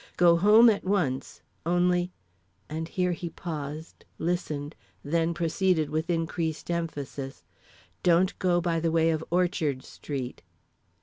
"Go home at once; only" and here he paused, listened, then proceeded with increased emphasis, "don't go by the way of Orchard Street."